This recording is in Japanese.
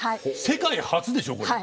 世界初でしょこれ。